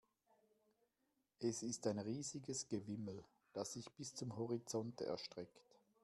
Es ist ein riesiges Gewimmel, das sich bis zum Horizont erstreckt.